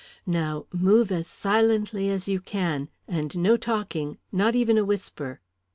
Now, move as silently as you can, and no talking not even a whisper."